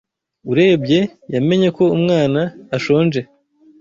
Urebye, yamenye ko umwana ashonje.